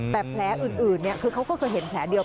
แต่แผลอื่นคือเขาก็เคยเห็นแผลเดียว